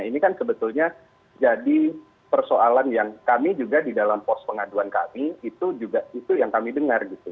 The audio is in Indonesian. ini kan sebetulnya jadi persoalan yang kami juga di dalam pos pengaduan kami itu juga itu yang kami dengar gitu